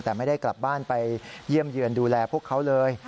แต่ไม่ได้กลับบ้านไปเยี่ยมเยือนดูแลพวกเขาเลย